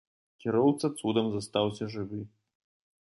Кіроўца цудам застаўся жывы.